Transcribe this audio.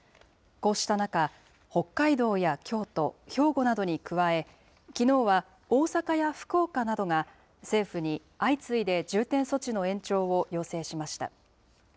こうした中、北海道や京都、兵庫などに加え、きのうは大阪や福岡などが政府に相次いで重点措置の延長を要請しました。